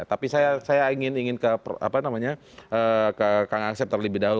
tapi saya ingin ke kang asep terlebih dahulu